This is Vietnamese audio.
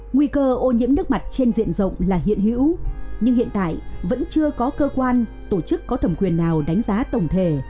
nguy cơ ô nhiễm nước mặt trên diện rộng là hiện hữu nhưng hiện tại vẫn chưa có cơ quan tổ chức có thẩm quyền nào đánh giá tổng thể